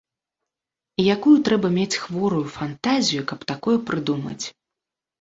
І якую трэба мець хворую фантазію, каб такое прыдумаць!